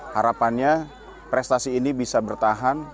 harapannya prestasi ini bisa bertahan